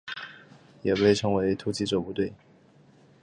也被称为射击者部队。